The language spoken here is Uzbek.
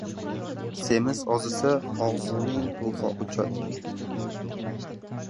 • Semiz ozisa, ozg‘inning ruhi uchadi.